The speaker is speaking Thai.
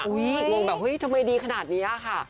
งงแบบเฮ้ยทำไมดีขนาดนี้ค่ะ